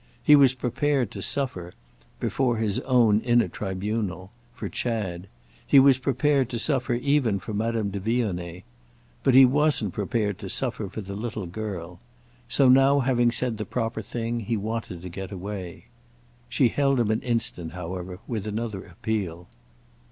He was prepared to suffer—before his own inner tribunal—for Chad; he was prepared to suffer even for Madame de Vionnet. But he wasn't prepared to suffer for the little girl. So now having said the proper thing, he wanted to get away. She held him an instant, however, with another appeal.